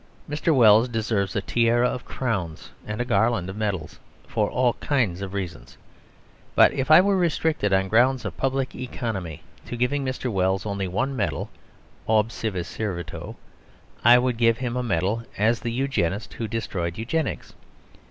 Mr. Wells deserves a tiara of crowns and a garland of medals for all kinds of reasons. But if I were restricted, on grounds of public economy, to giving Mr. Wells only one medal ob cives servatos, I would give him a medal as the Eugenist who destroyed Eugenics.